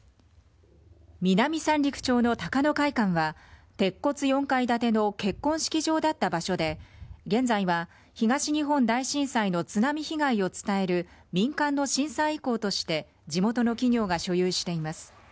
南三陸町の高野会館は鉄骨４階建ての結婚式場だった場所で現在は東日本大震災の津波被害を伝える民間の震災遺構として地元の企業が所有しています。